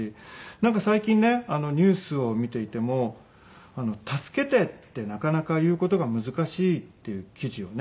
なんか最近ねニュースを見ていても助けてってなかなか言う事が難しいっていう記事をね